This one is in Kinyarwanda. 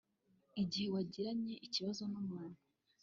Igihe wagiranye ikibazo n’umuntu